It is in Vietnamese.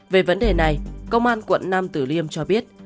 về vấn đề này công an quận nam tử liêm cho biết